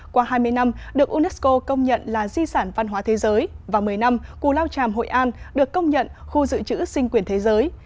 qua hai mươi năm được unesco công nhận là di sản văn hóa thế giới và một mươi năm cù lao tràm hội an được công nhận khu dự trữ sinh quyền thế giới